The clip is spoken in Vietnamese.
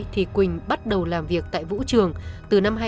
thì quỳnh bắt đầu làm việc tại vũ trường từ năm hai nghìn một mươi